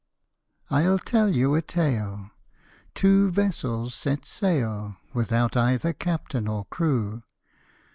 I'LL tell you a tale : two vessels set sail, Without either captain or crew